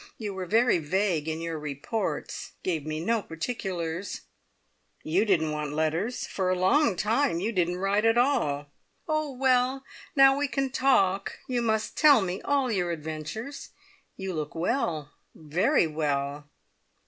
You were very vague in your reports; gave me no particulars." "You didn't want letters. For a long time you didn't write at all." "Oh, well! Now we can talk. You must tell me all your adventures. You look well very well!